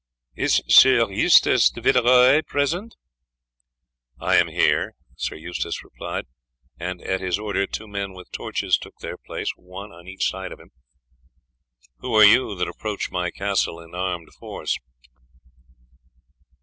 "Is Sieur Eustace de Villeroy present?" "I am here," Sir Eustace replied, and at his order two men with torches took their place one on each side of him. "Who are you that approach my castle in armed force?"